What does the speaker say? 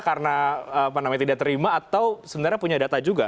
karena tidak terima atau sebenarnya punya data juga